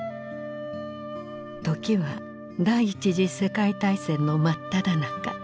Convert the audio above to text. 時は第一次世界大戦の真っただ中。